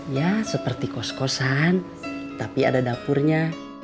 ya seperti kos kosan tapi ada dapurnya